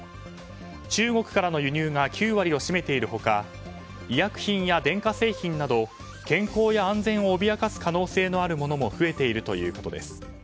中国からの輸入が９割を占めている他医薬品や電化製品など健康や安全を脅かす可能性のあるものも増えているということです。